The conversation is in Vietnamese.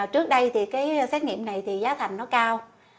trước đây thì xét nghiệm này giá thành nó cao